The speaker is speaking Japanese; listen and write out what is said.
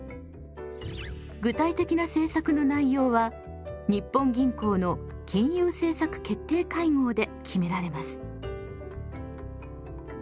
具体的な政策の内容は日本銀行の金融政策決定会合で決められます。